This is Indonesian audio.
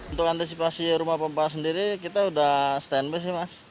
untuk antisipasi rumah pompa sendiri kita sudah stand by sih mas